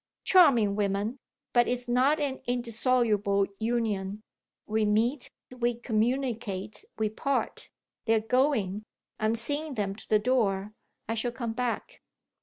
"Charming women, but it's not an indissoluble union. We meet, we communicate, we part! They're going I'm seeing them to the door. I shall come back."